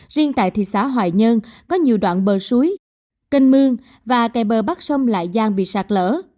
riêng tại thị xã hoài nhơn có nhiều đoạn bờ suối kênh mương và kè bờ bắc sông lại giang bị sạt lở